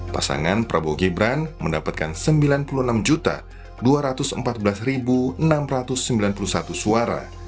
pasangan prabowo gibran mendapatkan sembilan puluh enam dua ratus empat belas enam ratus sembilan puluh satu suara